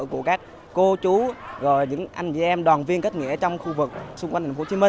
của các cô chú và những anh em đoàn viên kết nghĩa trong khu vực xung quanh tp hcm